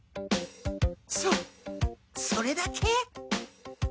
そそれだけ？